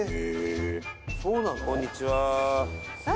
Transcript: こんにちは。